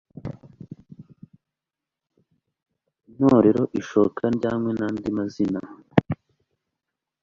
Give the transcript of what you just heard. intorezo ishoka ndyankwi nandi mazina